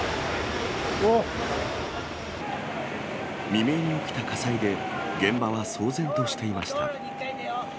未明に起きた火災で、現場は騒然としていました。